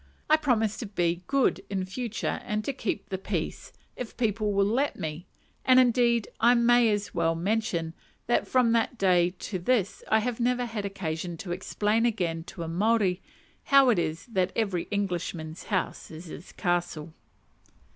I promise to be good in future and to keep the peace, if people will let me; and indeed, I may as well mention, that from that day to this I have never had occasion to explain again to a Maori how it is that "every Englishman's house is his castle."